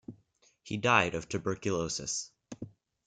He died of tuberculosis.